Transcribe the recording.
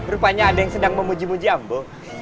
rupanya ada yang sedang memuji muji ambo